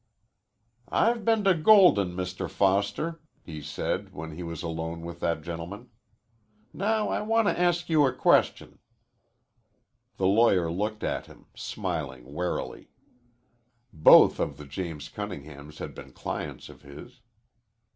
"I've been to Golden, Mr. Foster," he said, when he was alone with that gentleman. "Now I want to ask you a question." The lawyer looked at him, smiling warily. Both of the James Cunninghams had been clients of his.